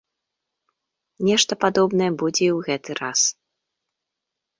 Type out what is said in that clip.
Нешта падобнае будзе і ў гэты раз.